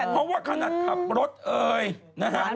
เพราะว่าขนองขับรถนะฮะ